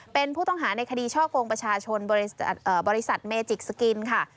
เป็นผู้ต้องหาในคดีช่อกงประชาชนบริษัทเมจิกสกินค่ะ